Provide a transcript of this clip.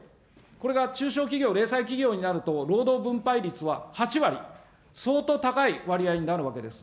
これが中小企業、零細企業になると、労働分配率は８割、相当高い割合になるわけです。